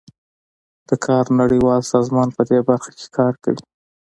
د کار نړیوال سازمان پدې برخه کې کار کوي